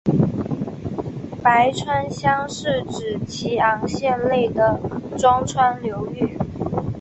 白川乡是指岐阜县内的庄川流域。